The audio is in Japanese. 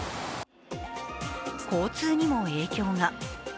交通にも影響が。